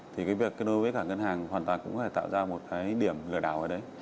thì cái việc đối với cả ngân hàng hoàn toàn cũng có thể tạo ra một cái điểm lừa đảo ở đấy